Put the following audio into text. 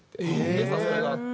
で誘いがあって。